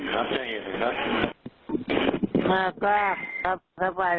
ครับเจ้าเห็นไหมครับ